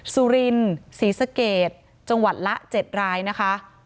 สุรินศรีสะเกดจังหวัดละ๗รายนะคะ